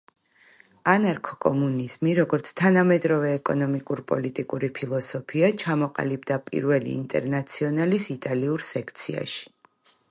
ანარქო-კომუნიზმი, როგორც თანამედროვე ეკონომიკურ-პოლიტიკური ფილოსოფია, ჩამოყალიბდა პირველი ინტერნაციონალის იტალიურ სექციაში.